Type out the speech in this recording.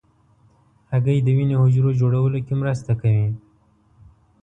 هګۍ د وینې حجرو جوړولو کې مرسته کوي.